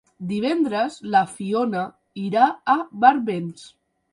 Divendres na Fiona irà a Barbens.